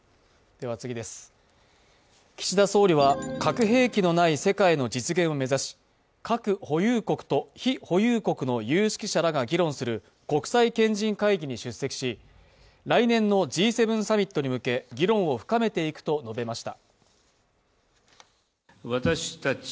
岸田総理は、核兵器のない世界の実現を目指し、核保有国と非保有国の有識者らが議論する国際賢人会議に出席し、来年のＧ７サミットに向け、議論を深めていくと述べました。